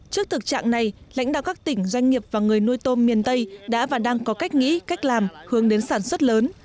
trước thực trạng này lãnh đạo các tỉnh doanh nghiệp và người nuôi tôm miền tây đã và đang có cách nghĩ cách làm hướng đến sản xuất lớn